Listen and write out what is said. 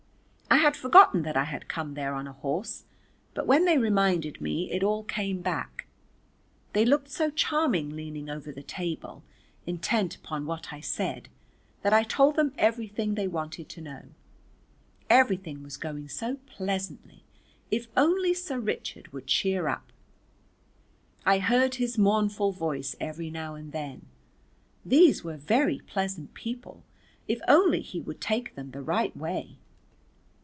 I had forgotten that I had come there on a horse, but when they reminded me it all came back; they looked so charming leaning over the table intent upon what I said, that I told them everything they wanted to know. Everything was going so pleasantly if only Sir Richard would cheer up. I heard his mournful voice every now and then these were very pleasant people if only he would take them the right way.